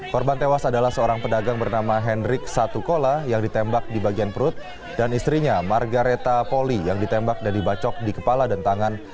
korban tewas adalah seorang pedagang bernama hendrik satukola yang ditembak di bagian perut dan istrinya margaretha poli yang ditembak dan dibacok di kepala dan tangan